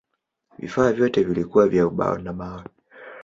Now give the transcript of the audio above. Vifaa vyote vilikuwa vya ubao na mawe.